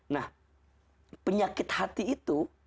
nah penyakit hati itu